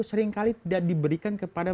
seringkali tidak diberikan kepada